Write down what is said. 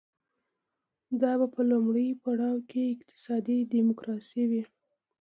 دا به په لومړي پړاو کې اقتصادي ډیموکراسي وي